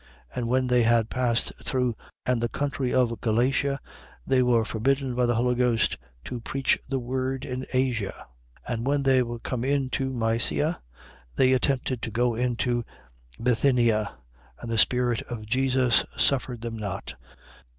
16:6. And when they had passed through Phrygia and the country of Galatia, they were forbidden by the Holy Ghost to preach the word in Asia. 16:7. And when they were come into Mysia, they attempted to go into Bithynia: and the Spirit of Jesus suffered them not.